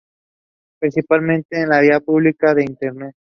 Principalmente en la vía pública e internet.